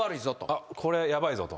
あっこれヤバいぞと。